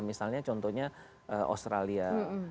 misalnya contohnya australia